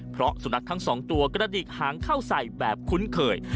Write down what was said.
เพราะสุนัขทั้งสองตัวกระดิกหางเข้าใส่แบบคุ้นเคย